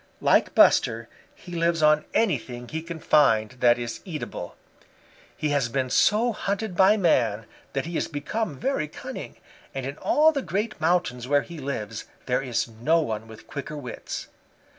Like Buster, he lives on anything he can find that is eatable. He has been so hunted by man that he has become very cunning, and in all the great mountains where he lives there is no one with quicker wits.